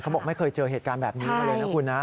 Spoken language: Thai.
เขาบอกว่าไม่เคยเจอเหตุการณ์แบบนี้มาเลยนะ